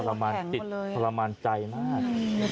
คลามันใจมาก